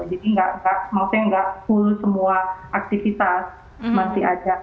jadi maksudnya nggak full semua aktivitas masih aja